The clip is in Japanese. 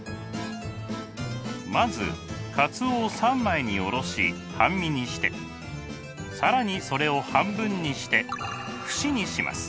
まずかつおを三枚におろし半身にして更にそれを半分にして節にします。